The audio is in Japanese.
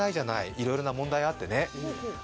いろいろな問題あってね。